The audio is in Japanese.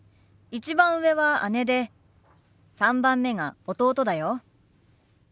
１番上は姉で３番目が弟だよ。